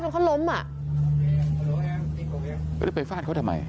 คำโล่มอ่ะ